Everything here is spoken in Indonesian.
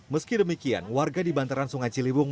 meski demikian warga di bantaran sungai ciliwung